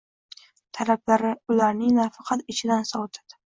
Talablari ularning nafaqat ishidan sovitadi.